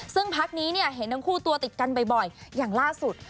ซึ่งพักนี้เนี่ยเห็นทั้งคู่ตัวติดกันบ่อยอย่างล่าสุด